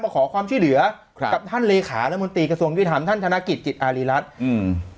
มาขอความชื่อเหลือกับท่านเลขาและมนตรีกระทรวงกิจธรรมท่านธนกิจกิจอาริรัตน์อืม